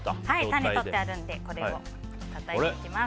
種を取ってあるのでたたいていきます。